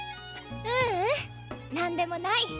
んーん何でもない。